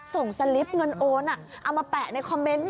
สลิปเงินโอนเอามาแปะในคอมเมนต์